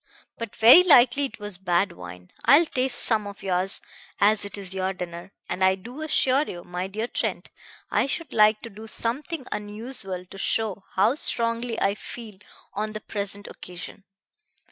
But very likely it was bad wine. I will taste some of yours, as it is your dinner, and I do assure you, my dear Trent, I should like to do something unusual to show how strongly I feel on the present occasion.